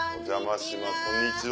こんにちは。